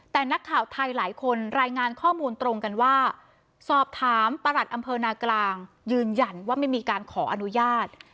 แต่นักข่าวไทยหลายคนรายงานข้อมูลตรงกันว่าสอบถามประหลัดอำเภอนากลางยืนยันว่าไม่มีการขออนุญาต